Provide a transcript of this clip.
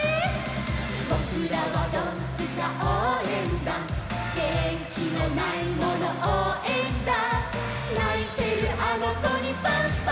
「ぼくらはドンスカおうえんだん」「げんきのないものおうえんだ！！」「ないてるあのこにパンパンパン！！」